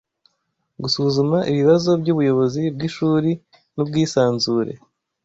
Gusuzuma ibibazo byubuyobozi bwishuri nubwisanzure